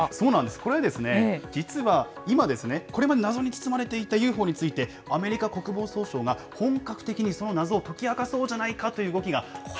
これは実は今ですね、これまで謎に包まれていたＵＦＯについて、アメリカ国防総省が、本格的にその謎を解き明かそうじゃないかという動きが始